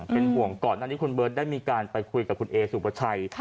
เป็นห่วงก่อนหน้านี้คุณเบิร์ตได้มีการไปคุยกับคุณเอสุประชัย